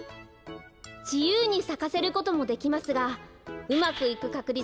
じゆうにさかせることもできますがうまくいくかくり